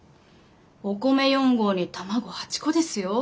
お米４合に卵８個ですよ。